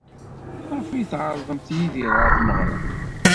Maɣef ay d-tɛerḍem Yidir ɣer tmeɣra?